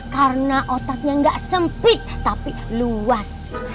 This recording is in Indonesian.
karena otaknya nggak sempit tapi luas